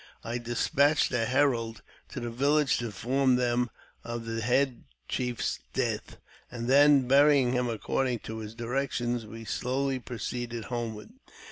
I despatched a herald to the village to inform them of the head chief's death, and then burying him according to his directions we slowly proceeded homeward.